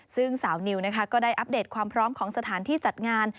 ซึ่งสาวนิวนะคะก็ได้อัปเดตความพร้อมของสถานที่จัดงาน